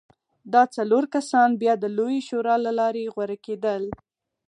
دا څلور کسان بیا د لویې شورا له لارې غوره کېدل.